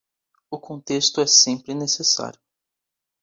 O contexto é sempre necessário.